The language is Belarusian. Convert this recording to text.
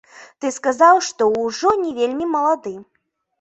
Ты сказаў, што ўжо не вельмі малады.